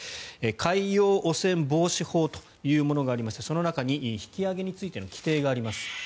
海洋汚染防止法というものがありましてその中に引き揚げについての規定があります。